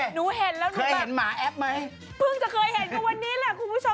หนูเห็นแล้วหนูต้องหรือเปล่าพึ่งจะเคยเห็นกับวันนี้แหละคุณผู้ชม